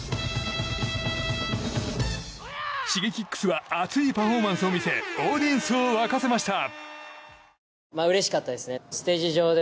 Ｓｈｉｇｅｋｉｘは熱いパフォーマンスを見せオーディエンスを沸かせました！